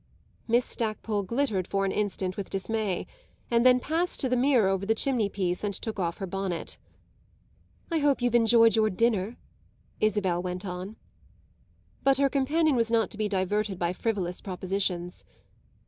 Miss Stackpole glittered for an instant with dismay, and then passed to the mirror over the chimney piece and took off her bonnet. "I hope you've enjoyed your dinner," Isabel went on. But her companion was not to be diverted by frivolous propositions.